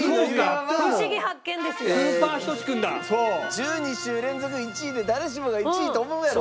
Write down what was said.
１２週連続１位で誰しもが１位と思うやろ。